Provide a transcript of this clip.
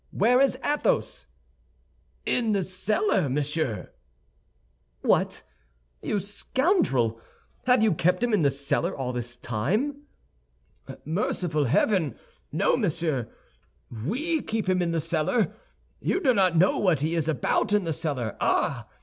"Where is Athos?" "In the cellar, monsieur." "What, you scoundrel! Have you kept him in the cellar all this time?" "Merciful heaven! No, monsieur! We keep him in the cellar! You do not know what he is about in the cellar. Ah!